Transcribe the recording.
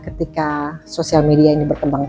ketika sosial media ini berkembang